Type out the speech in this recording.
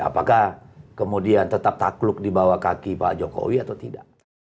apakah kemudian tetap takluk di bawah kaki pak jokowi atau tidak